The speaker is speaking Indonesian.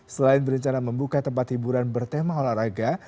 selain berencana membuka tempat hiburan bertema olahraga